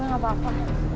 gua gak apa apa